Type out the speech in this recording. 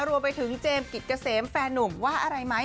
รวมไปถึงเจมส์กิจเกษมแฟนหนุ่มว่าอะไรไหม